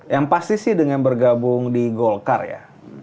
yang pasti sih dengan bergabung di golkar ya